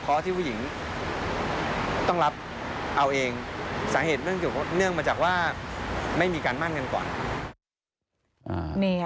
เพราะว่าผู้หญิงต้องรับเอาเองสาเหตุเงื่อนมาจากว่าไม่มีการมั่นเงินก่อน